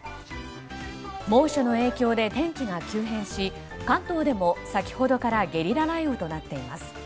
猛暑の影響で天気が急変し関東でも先ほどからゲリラ雷雨となっています。